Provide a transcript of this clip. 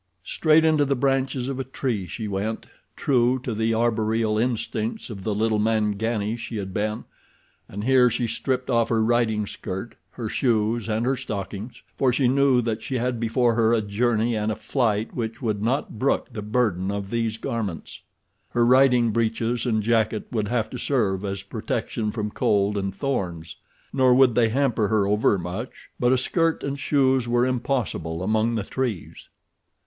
Straight into the branches of a tree she went, true to the arboreal instincts of the little mangani she had been, and here she stripped off her riding skirt, her shoes and her stockings, for she knew that she had before her a journey and a flight which would not brook the burden of these garments. Her riding breeches and jacket would have to serve as protection from cold and thorns, nor would they hamper her over much; but a skirt and shoes were impossible among the trees.